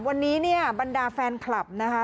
วันนี้บรรดาแฟนคลับนะคะ